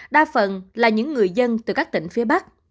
đa phần là những người dân từ các tỉnh phía bắc